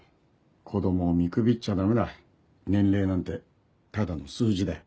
子供を見くびっちゃダメだ年齢なんてただの数字だよ